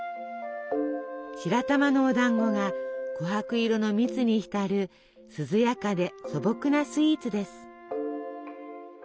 白玉のおだんごがこはく色の蜜に浸る涼やかで素朴なスイーツです。